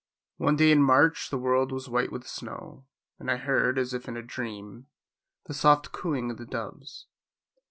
One day in March the world was white with snow, and I heard, as if in a dream, the soft cooing of the doves.